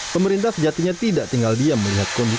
pemerintah sejatinya tidak tinggal diam melihat kondisi pt di ini